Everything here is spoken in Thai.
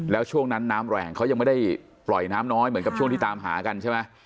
แล้วช่วงนั้นน้ำแรงเขายังไม่ได้ปล่อยน้ำน้อยเหมือนกับช่วงที่ตามหากันใช่ไหม